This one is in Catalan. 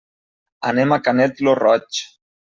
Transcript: Anem a Canet lo Roig.